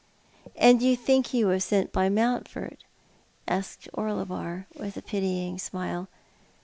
" And you think he was sent by Mountford ?" asked Orlebar, with a pitying smile.